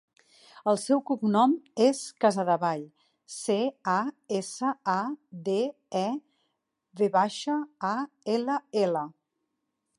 El seu cognom és Casadevall: ce, a, essa, a, de, e, ve baixa, a, ela, ela.